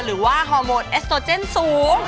หรือว่าฮอร์โมนแ็สโตรเจนสูง